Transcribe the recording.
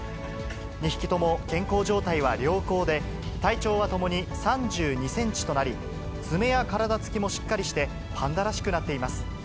２匹とも健康状態は良好で、体長はともに３２センチとなり、爪や体つきもしっかりして、パンダらしくなっています。